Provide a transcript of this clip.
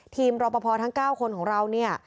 รอปภทั้ง๙คนของเราเนี่ย